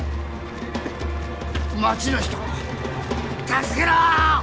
町の人を助けろ！